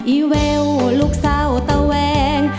อีแววลูกสาวตะแวง